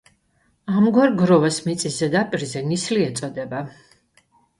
ამგვარ გროვას მიწის ზედაპირზე ნისლი ეწოდება.